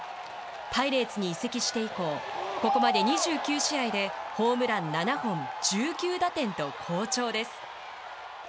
パイレーツに移籍して以降ここまで２９試合でホームラン７本１９打点と好調です。